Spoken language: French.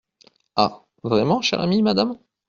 Ah ! vraiment, cher ami, madame !